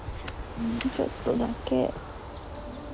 ちょっとだけ。